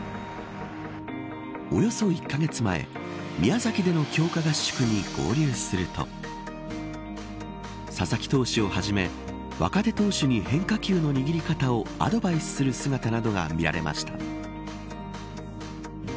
およそ１カ月前宮崎での強化合宿に合流すると佐々木投手をはじめ若手投手に変化球の握り方をアドバイスする姿などが見られました。